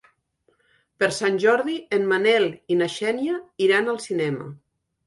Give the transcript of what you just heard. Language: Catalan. Per Sant Jordi en Manel i na Xènia iran al cinema.